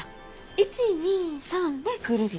１２３でくるりだね。